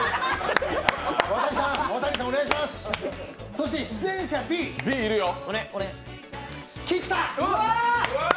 そして出演者Ｂ、菊田。